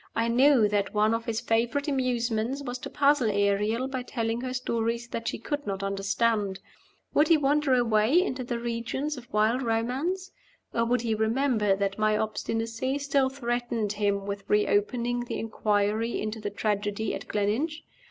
I knew that one of his favorite amusements was to puzzle Ariel by telling her stories that she could not understand. Would he wander away into the regions of wild romance? Or would he remember that my obstinacy still threatened him with reopening the inquiry into the tragedy at Gleninch?